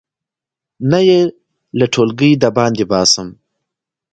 نه یې له ټولګي د باندې باسم.